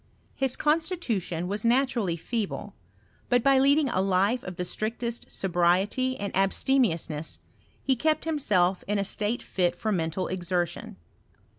His constitu tion was naturally feeble ; but by leading a life of the iftrictest sobriety and abstemiousness he kept him kM. ia a state fit for mental exertion.